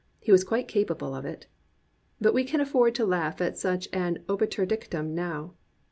He was quite capable of it.) But we can afford to laugh at such an obiter dictum now.